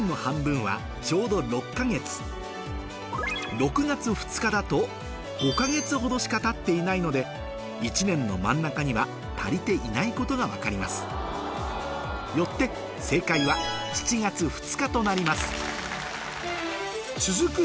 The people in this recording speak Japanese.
６月２日だと５か月ほどしかたっていないので１年の真ん中には足りていないことが分かりますよって正解は７月２日となります続く